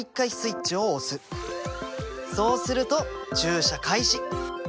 そうすると駐車開始。